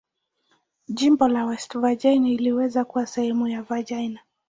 Jimbo la West Virginia iliwahi kuwa sehemu ya Virginia.